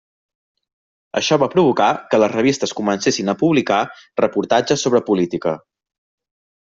Això va provocar que les revistes comencessin a publicar reportatges sobre política.